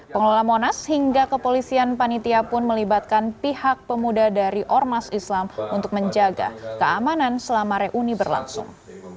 pengelola monas hingga kepolisian panitia pun melibatkan pihak pemuda dari ormas islam untuk menjaga keamanan selama reuni berlangsung